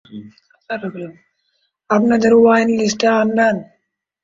আপনাদের ওয়াইন লিস্টটা আনবেন?